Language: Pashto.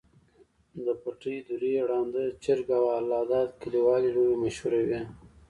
د پټې دُرې، ړانده چرک، او الله داد کلیوالې لوبې مشهورې وې.